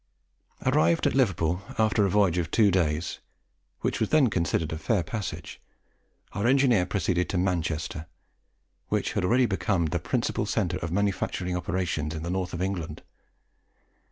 Arrived at Liverpool, after a voyage of two days which was then considered a fair passage our engineer proceeded to Manchester, which had already become the principal centre of manufacturing operations in the North of England.